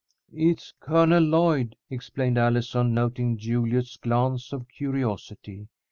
"It's Colonel Lloyd," explained Allison, noting Juliet's glance of curiosity.